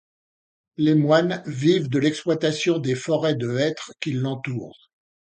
Les moines vivent de l'exploitation des forêts de hêtres qui l'entourent.